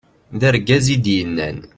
d argaz i d-yennan